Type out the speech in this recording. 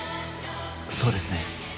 そうですね。